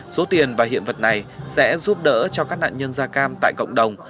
số tiền và hiện vật này sẽ giúp đỡ cho các nạn nhân da cam tại cộng đồng